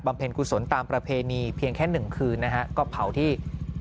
เพ็ญกุศลตามประเพณีเพียงแค่๑คืนนะฮะก็เผาที่